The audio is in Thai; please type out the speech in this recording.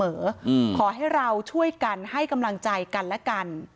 ขอให้เราช่วยกันให้กำลังใจกันและกัน